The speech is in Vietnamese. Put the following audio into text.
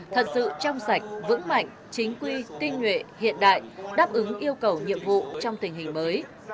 thật sự trong sạch vững mạnh chính quy tinh nguyện hiện đại đáp ứng yêu cầu nhiệm vụ trong tình hình mới